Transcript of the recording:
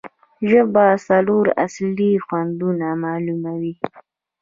ژبه څلور اصلي خوندونه معلوموي.